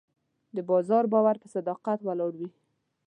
د بازار باور په صداقت ولاړ وي.